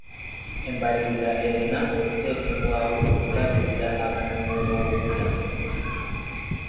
Embalirira erina okuteekebwawo okulabirira abanoonyiboobubudamu.